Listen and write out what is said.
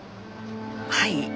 はい。